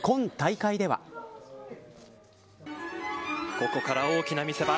ここから大きな見せ場。